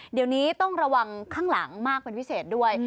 เดี๋ยวนี้ต้องระวังข้างหลังมากเป็นพิเศษด้วย